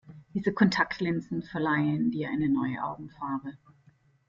Diese Kontaktlinsen verleihen dir eine neue Augenfarbe.